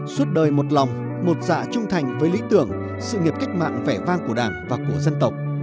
suốt đời một lòng một dạ trung thành với lý tưởng sự nghiệp cách mạng vẻ vang của đảng và của dân tộc